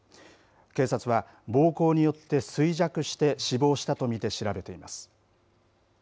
警察は、暴行によって衰弱して死亡したと見て調べています。